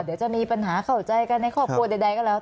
เดี๋ยวจะมีปัญหาเข้าใจกันในครอบครัวใดก็แล้ว